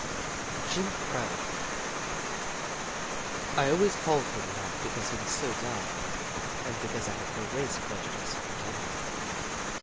JIM CROW I ALWAYS called him that because he was so dark and because I have no race prejudice whatever.